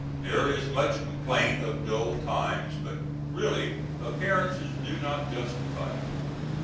There is much complaint of dull times but really appearances do not justify it.